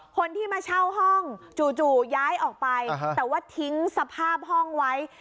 คนที่มาเช่าห้องจู่ย้ายออกไปแต่ว่าทิ้งสภาพห้องไว้